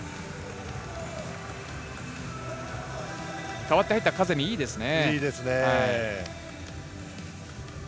代わって入ったカゼミ、いいですね。